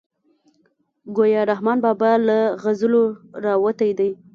ګویا رحمان بابا له غزلو راوتی دی.